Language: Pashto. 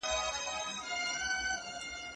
زه د کتابتون د کار مرسته کړې ده،